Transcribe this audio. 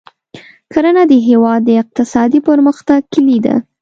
کرنه د هېواد د اقتصادي پرمختګ کلي ده.